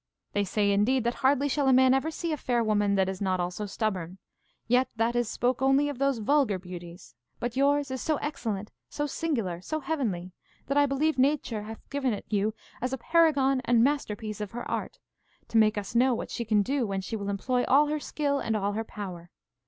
They say, indeed, that hardly shall a man ever see a fair woman that is not also stubborn. Yet that is spoke only of those vulgar beauties; but yours is so excellent, so singular, and so heavenly, that I believe nature hath given it you as a paragon and masterpiece of her art, to make us know what she can do when she will employ all her skill and all her power.